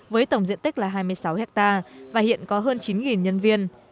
với tổng diện tích là hai mươi sáu hectare và hiện có hơn chín nhân viên